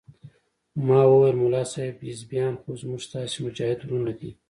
ما وويل ملا صاحب حزبيان خو زموږ ستاسې مجاهد ورونه دي.